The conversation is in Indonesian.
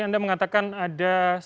yang cukup banyak datang ke indonesia